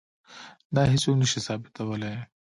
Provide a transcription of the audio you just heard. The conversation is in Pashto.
دا هیڅوک نه شي ثابتولی.